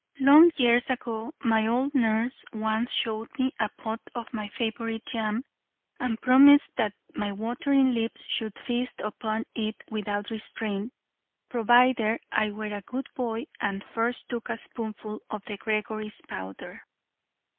Long years ago my old nurse once showed me a pot of my favourite jam and promised that my watering lips should feast upon it without restraint provided I were a good boy and first took a spoonful of Gregory's Powder.